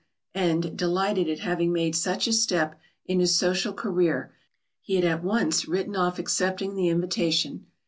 and, delighted at having made such a step in his social career, he had at once written off accepting the invitation.